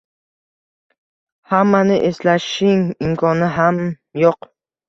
hammani eslashning imkoni ham yo’q.